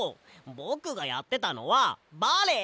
ぼくがやってたのはバレエ！